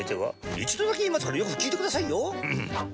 一度だけ言いますからよく聞いてくださいよ。